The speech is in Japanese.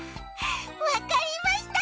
わかりました！